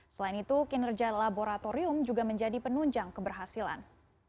selain itu kinerja laboratorium juga menjadi penunjang keberhasilan